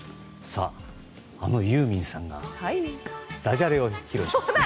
あのユーミンさんがダジャレを披露しました。